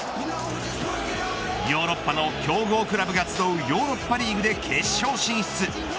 ヨーロッパの強豪クラブが集うヨーロッパリーグで決勝進出。